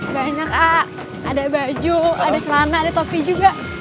banyak a ada baju ada celana ada topi juga